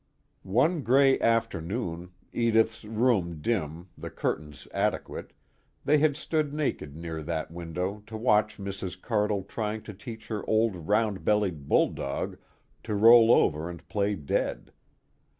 One gray afternoon Edith's room dim, the curtains adequate they had stood naked near that window to watch Mrs. Cardle trying to teach her old round bellied bulldog to roll over and play dead.